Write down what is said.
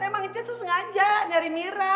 emang jas tuh sengaja nyari mira